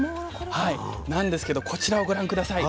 なんですけどこちらをご覧下さい。